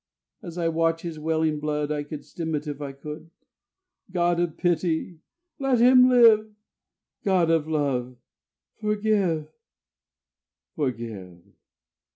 As I watch his welling blood I would stem it if I could. God of Pity, let him live! God of Love, forgive, forgive. ..